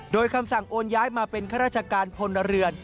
โดยคำสั่งโอนย้ายมาเป็นข้าราชการพลเรือน